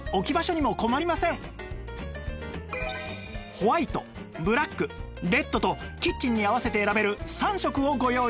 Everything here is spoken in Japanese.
ホワイトブラックレッドとキッチンに合わせて選べる３色をご用意しました